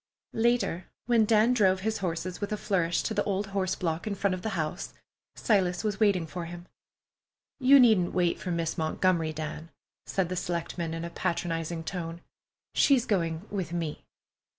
Later, when Dan drove his horses with a flourish to the old horse block in front of the house, Silas was waiting for him. "You needn't wait for Miss Montgomery, Dan," said the selectman in a patronizing tone. "She's going with me."